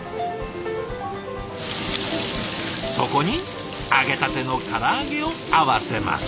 そこに揚げたてのからあげを合わせます。